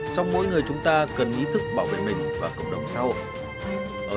xong mỗi người chúng ta cần ý thức bảo vệ mình và cộng đồng xã hội